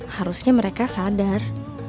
harusnya mereka sadar